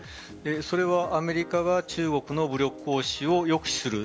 それはアメリカが中国の武力行使を抑止する。